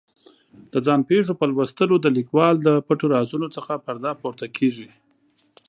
د ځان پېښو په لوستلو د لیکوال د پټو رازونو څخه پردې پورته کېږي.